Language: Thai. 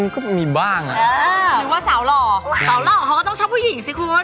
ก็มีบ้างนึกว่าสาวหล่อสาวหล่อเขาก็ต้องชอบผู้หญิงสิคุณ